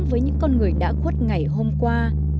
với những con người đã khuất ngày hôm qua